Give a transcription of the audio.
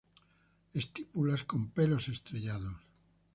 Estípulas con pelos estrellados.